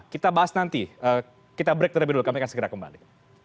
kita bahas nanti kita break terlebih dulu kami akan segera kembali